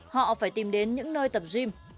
họ phải tìm đến những nơi tập gym